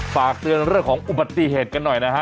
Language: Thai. ฝากเตือนเรื่องของอุบัติเหตุกันหน่อยนะฮะ